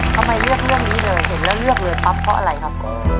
ทำไมเลือกเรื่องนี้เลยเห็นแล้วเลือกเลยปั๊บเพราะอะไรครับ